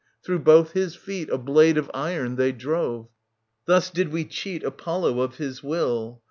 Through both his feet A blade of iron they drove. Thus did we cheat Apollo of his will.